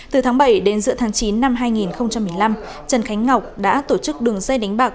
từ tháng bảy đến giữa tháng chín năm hai nghìn một mươi năm trần khánh ngọc đã tổ chức đường dây đánh bạc